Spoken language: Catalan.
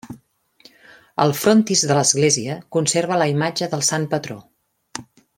Al frontis de l'església conserva la imatge del Sant Patró.